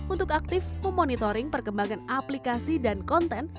untuk aktif memonitoring perkembangan aplikasi dan konten